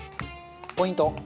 ポイント。